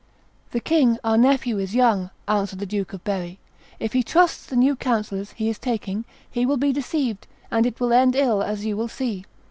"The king, our nephew, is young," answered the Duke of Berry: "if he trusts the new councillors he is taking, he will be deceived, and it will end ill, as you will see.